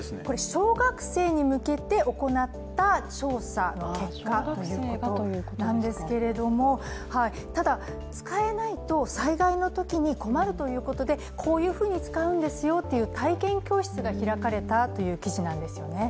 小学生に向けて行った調査結果ということなんですけれどもただ使えないと災害のときに困るということで、こういうふうに使うんですよという体験教室が開かれたという記事なんですね。